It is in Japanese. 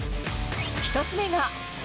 １つ目が。